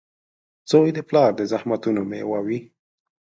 • زوی د پلار د زحمتونو مېوه وي.